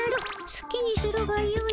すきにするがよい。